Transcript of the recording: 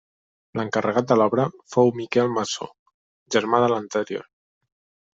L'encarregat de l'obra fou Miquel Masó, germà de l'anterior.